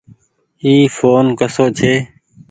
اي ڦون ڪسو ڇي۔